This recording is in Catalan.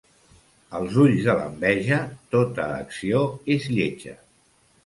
Als ulls de l'enveja, tota acció és lletja.